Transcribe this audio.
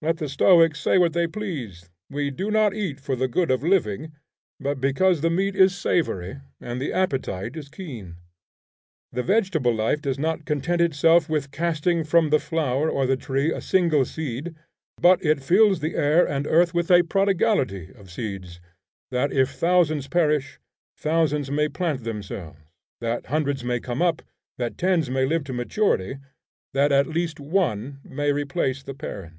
Let the stoics say what they please, we do not eat for the good of living, but because the meat is savory and the appetite is keen. The vegetable life does not content itself with casting from the flower or the tree a single seed, but it fills the air and earth with a prodigality of seeds, that, if thousands perish, thousands may plant themselves; that hundreds may come up, that tens may live to maturity; that at least one may replace the parent.